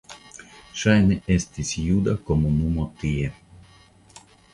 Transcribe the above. Ŝajne estis juda komunumo tie.